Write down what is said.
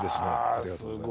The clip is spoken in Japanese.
ありがとうございます。